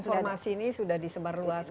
dan informasi ini sudah disebarluaskan